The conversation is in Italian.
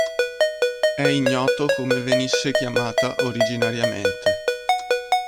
È ignoto come venisse chiamata originariamente.